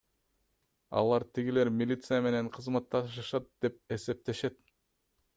Алар тигилер милиция менен кызматташышат деп эсептешет.